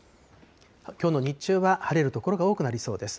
きょうの日中は晴れる所が多くなりそうです。